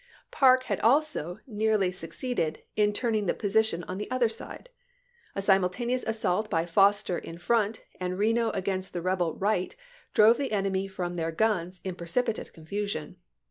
Parke had also nearly sue ROANOKE ISLAND 245 ceeded in turning the position on the other side. A chap. xiv. simultaneous assault by Foster in front and Reno against the rebel right drove the enemy from their w. r guns in precipitate confusion.